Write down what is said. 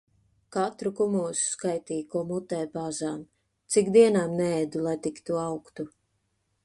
Katru kumosu skaitīja, ko mutē bāzām. Cik dienām neēdu, lai tik tu augtu.